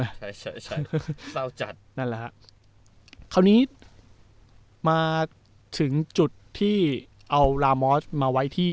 ใช่ใช่เศร้าจัดนั่นแหละฮะคราวนี้มาถึงจุดที่เอาลามอสมาไว้ที่